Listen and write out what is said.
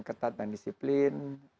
ketat dan disiplin